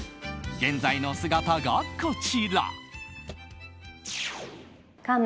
現在の姿がこちら！